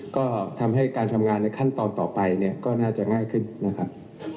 ก็ทำให้การทำงานในขั้นตอนต่อไปเนี่ยก็น่าจะง่ายขึ้นนะครับ